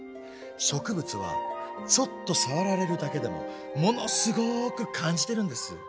植物はちょっと触られるだけでもものすごく感じてるんです。